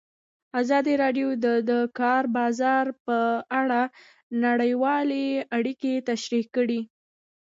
ازادي راډیو د د کار بازار په اړه نړیوالې اړیکې تشریح کړي.